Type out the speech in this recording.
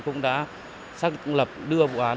cũng đã xác lập đưa vụ án